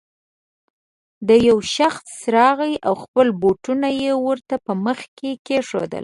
چې يو شخص راغی او خپل بوټونه يې ورته په مخ کې کېښودل.